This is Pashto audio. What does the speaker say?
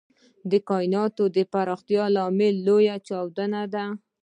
د کائناتو پراختیا لامل لوی چاودنه وه.